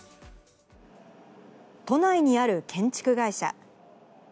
都内にある建築会社。